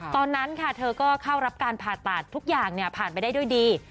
ตอนนั้นค่ะเธอก็เข้ารับการผ่าตัดทุกอย่างผ่านไปได้ด้วยดี